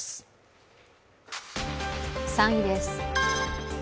３位です。